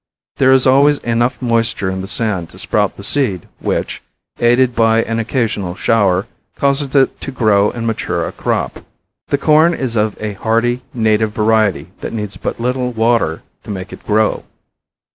There is always enough moisture in the sand to sprout the seed which, aided by an occasional shower, causes it to grow and mature a crop. The corn is of a hardy, native variety that needs but little water to make it grow.